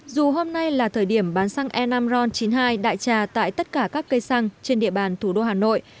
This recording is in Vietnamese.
dù hôm nay là thời điểm bán xăng e năm ron chín mươi hai đại trà tại tất cả các cây xăng trên địa bàn thủ đô hà nội